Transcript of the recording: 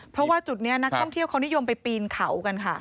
เพราะว่าจุดนี้นักท่องเที่ยวเขานิยมไปปีนเขากันค่ะ